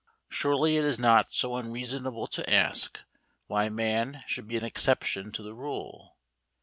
Surely it is not so unreasonable to ask why man should be an exception to the rule.